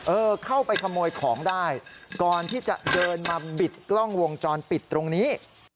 เออเข้าไปขโมยของได้ก่อนที่จะเดินมาบิดกล้องวงจรปิดตรงนี้